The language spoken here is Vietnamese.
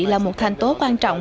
là một thành tố quan trọng